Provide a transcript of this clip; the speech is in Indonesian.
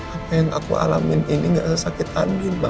apa yang aku alamin ini gak sesakit angin mak